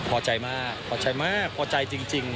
พอใจมากพอใจมากพอใจจริง